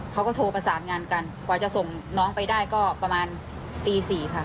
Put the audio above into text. เขาก็โทรประสานงานกันกว่าจะส่งน้องไปได้ก็ประมาณตี๔ค่ะ